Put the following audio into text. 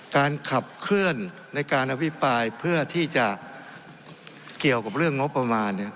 การขับเคลื่อนในการอภิปรายเพื่อที่จะเกี่ยวกับเรื่องงบประมาณ